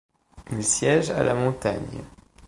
Il siége à la Montagne.